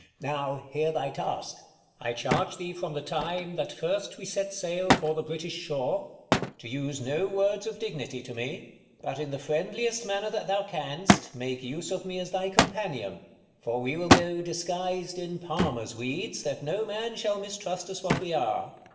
Now hear thy task. I charge thee from the time That first we set sail for the British shore, To use no words of dignity to me, But in the friendliest manner that thou canst, 40 Make use of me as thy companion : jiFor we will go disguis'd in palmers' weeds, "That no man shall mistrust us what we are.